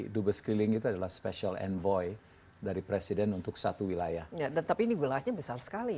dubes keliling itu adalah special envoy dari presiden untuk satu wilayah tetapi ini wilayahnya besar sekali